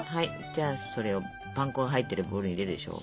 じゃあそれをパン粉が入ってるボウルに入れるでしょ。